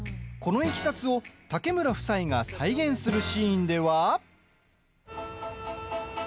このいきさつを竹村夫妻が再現するシーンでは。